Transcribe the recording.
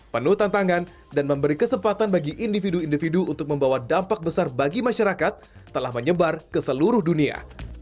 penuh tantangan dan memberi kesempatan bagi individu individu untuk membawa dampak besar bagi masyarakat telah menyebar ke seluruh dunia